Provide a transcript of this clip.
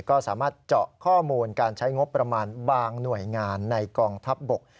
ก็สามารถเจาะข้อมูลการใช้งบประมาณบางหน่วยงานในกองทัพบก